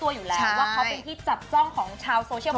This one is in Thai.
ว่าเขาเป็นพี่จับจ้องของชาวโซเชียล